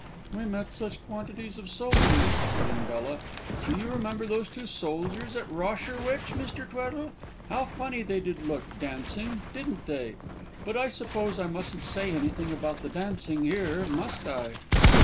"We met such quantities of soldiers," put in Bella. "Do you remember those two soldiers at Rosherwich, Mr. Tweddle? How funny they did look, dancing; didn't they? But I suppose I mustn't say anything about the dancing here, must I?"